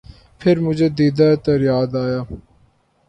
پھر مجھے دیدہٴ تر یاد آیا